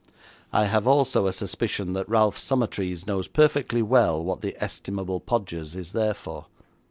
I have also a suspicion that Ralph Summertrees knows perfectly well what the estimable Podgers is there for.'